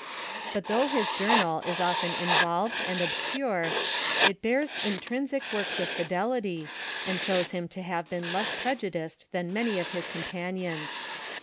But though his journal is often involved and obscure, it bears intrinsio marks of fidelity, and shows him to have been less prejudiced than many of his companions.